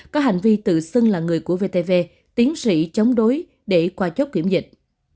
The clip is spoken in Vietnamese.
có hành vi tự xưng là người của vtv tiến sĩ chống đối để qua chốt kiểm dịch